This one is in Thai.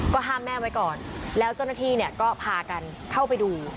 ห้ามแม่ไว้ก่อนแล้วเจ้าหน้าที่เนี่ยก็พากันเข้าไปดู